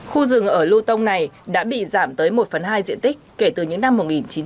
khu rừng ở luton này đã bị giảm tới một phần hai diện tích kể từ những năm một nghìn chín trăm bốn mươi